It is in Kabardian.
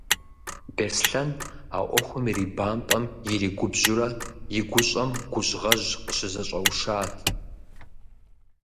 Беслъэн а ӏуэхум ирибампӀэм, иригубжьурэ, и гущӀэм гужьгъэжь къыщызэщӀэушат.